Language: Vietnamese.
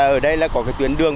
ở đây có tuyến đường